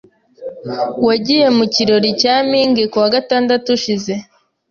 Wagiye mu kirori cya Ming kuwa gatandatu ushize?